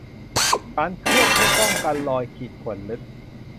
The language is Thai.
สารเคลือบช่วยป้องกันรอยขีดข่วนลึก